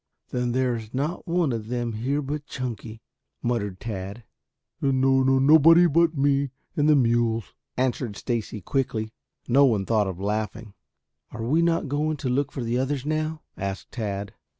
"Then there is not one of them here but Chunky," muttered Tad. "No nobody but me and the mules," answered Stacy quickly. No one thought of laughing. "Are we not going out to look for the others now?" asked Tad.